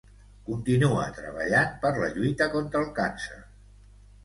Continua treballant per la lluita contra el càncer.